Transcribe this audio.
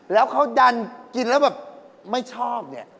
แล้วเขาดันกินแล้วแบบไม่ชอบเนี่ย